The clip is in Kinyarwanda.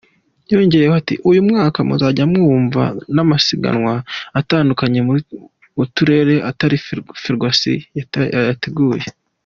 Yongeyeho ati “Uyu mwaka muzajya mwumva n’amasiganwa atandukanye mu Turere atari Ferwacy yayateguye.